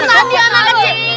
yang tadi anak kecil